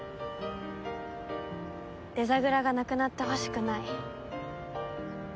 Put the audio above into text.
デザグラがなくなってほしくない。